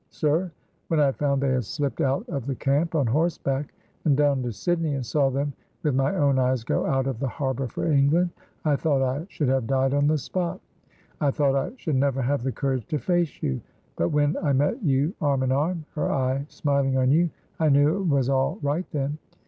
"Sir, when I found they had slipped out of the camp on horseback, and down to Sydney, and saw them with my own eyes go out of the harbor for England, I thought I should have died on the spot. I thought I should never have the courage to face you, but when I met you arm in arm, her eye smiling on you, I knew it was all right then.